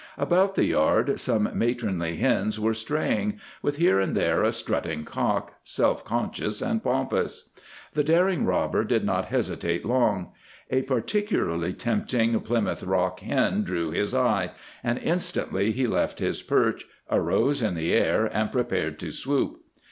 About the yard some matronly hens were straying, with here and there a strutting cock, self conscious and pompous. The daring robber did not hesitate long. A particularly tempting Plymouth Rock hen drew his eye, and instantly he left his perch, arose in the air, and prepared to swoop.